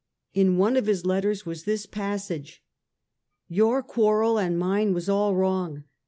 In one of his letters was this passage: " Your quarrel and mine was all wrong.